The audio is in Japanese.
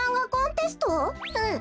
うん。